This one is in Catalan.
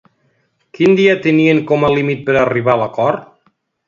Quin dia tenien com a límit per arribar a l'acord?